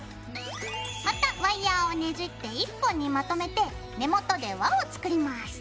またワイヤーをねじって１本にまとめて根元で輪を作ります。